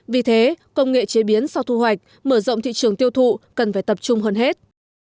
vì thế công nghệ chế biến sau thu hoạch mở rộng thị trường tiêu thụ cần phải tập trung hơn hết